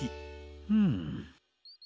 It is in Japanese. うん。